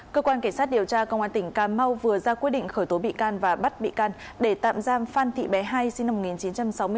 cơ quan cảnh sát điều tra công an tỉnh cà mau vừa ra quyết định khởi tố bị can và bắt bị can để tạm giam phan thị bé hai sinh năm một nghìn chín trăm sáu mươi tám